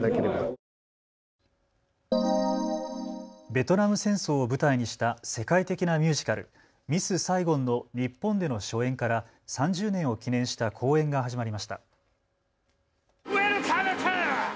ベトナム戦争を舞台にした世界的なミュージカルミス・サイゴンの日本での初演から３０年を記念した公演が始まりました。